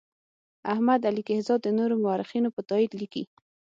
احمد علي کهزاد د نورو مورخینو په تایید لیکي.